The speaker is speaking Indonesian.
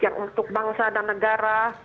yang untuk bangsa dan negara